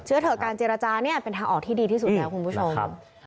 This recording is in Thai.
เถอะการเจรจาเนี่ยเป็นทางออกที่ดีที่สุดแล้วคุณผู้ชม